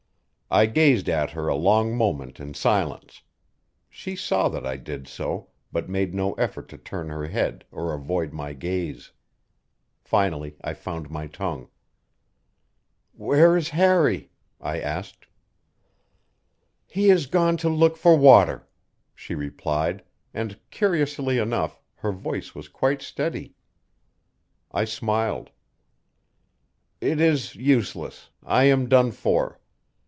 I gazed at her a long moment in silence; she saw that I did so, but made no effort to turn her head or avoid my gaze. Finally I found my tongue. "Where is Harry?" I asked. "He is gone to look for water," she replied; and, curiously enough, her voice was quite steady. I smiled. "It is useless. I am done for!"